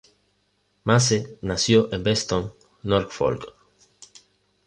Mace nació en Beeston, Norfolk.